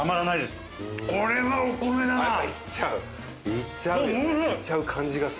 いっちゃう感じがする。